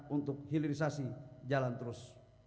untuk hilirisasi jalan terus